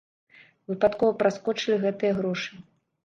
Выпадкова праскочылі гэтыя грошы.